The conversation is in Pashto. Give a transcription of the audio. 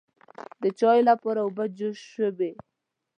د چایو لپاره اوبه جوش شوې.